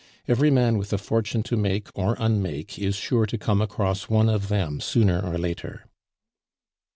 Every man with a fortune to make, or unmake, is sure to come across one of them sooner or later."